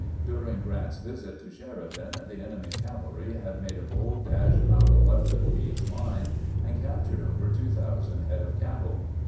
During Grant's visit to Sheridan the enemy's cavalry had made a bold dash round the left of Meade's line, and captured over two thousand head of cattle.